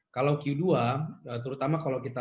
kalau q dua terutama kalau kita